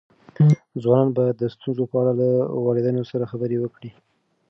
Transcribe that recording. ځوانان باید د ستونزو په اړه له والدینو سره خبرې وکړي.